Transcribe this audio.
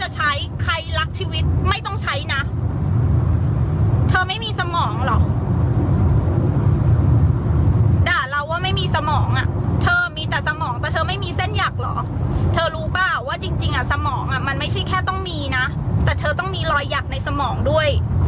จริงอ่ะสมองอ่ะมันไม่ใช่แค่ต้องมีนะแต่เธอต้องมีรอยหยักในสมองด้วย